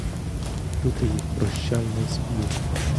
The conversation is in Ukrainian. Чути їх прощальний спів.